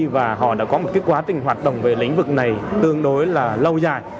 và họ đã có một quá trình hoạt động về lĩnh vực này tương đối là lâu dài